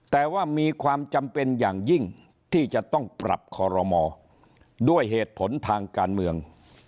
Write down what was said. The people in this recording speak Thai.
แต่ว่ามีความจำเป็นอย่างยิ่งที่จะต้องปรับคอรมอด้วยเหตุผลทางการเมือง